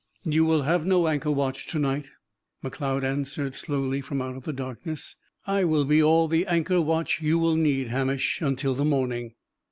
"You will have no anchor watch to night," Macleod answered slowly, from out of the darkness. "I will be all the anchor watch you will need, Hamish, until the morning."